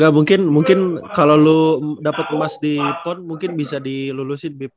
gak mungkin mungkin kalau lu dapet kemas di pon mungkin bisa dilulusin bip